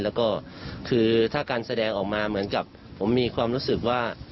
แล้วก็คือถ้าการแสดงออกมาเหมือนกับผมมีความรู้สึกว่า